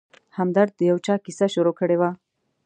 همدرد د یو چا کیسه شروع کړې وه.